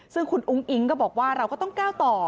ซึ่งคุณอุ้งอิ๊งก็บอกว่าเราก็ต้องก้าวต่อ